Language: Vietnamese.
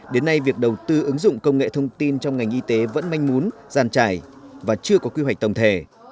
đến nay việc đầu tư ứng dụng công nghệ thông tin trong ngành y tế vẫn manh mún giàn trải và chưa có quy hoạch tổng thể